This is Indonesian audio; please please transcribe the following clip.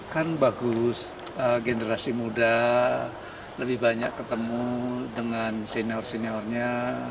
kan bagus generasi muda lebih banyak ketemu dengan senior seniornya